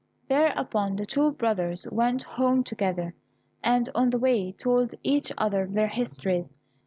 Thereupon the two brothers went home together, and on the way told each other their histories.